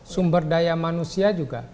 sumber daya manusia juga